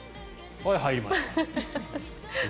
はい、入りました。